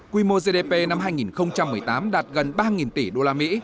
quy mô gdp năm hai nghìn một mươi tám đạt gần ba tỷ usd